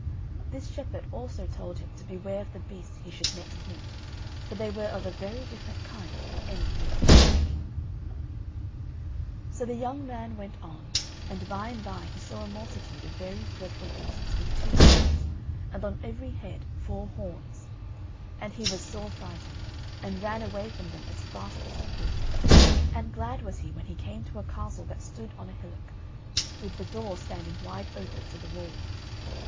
This shepherd also told him to beware of the beasts he should next meet, for they were of a very different kind from any he had yet seen. So the young man went on, and by and by he saw a multitude of very dreadful beasts, with two heads, and on every head four horns. And he was sore frightened, and ran away from them as fast as he could; and glad was he when he came to a castle that stood on a hillock, with the door standing wide open to the wall.